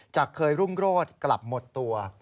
เคยรุ่งโรศกลับหมดตัว